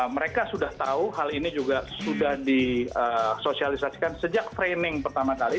mereka sudah tahu hal ini juga sudah disosialisasikan sejak training pertama kali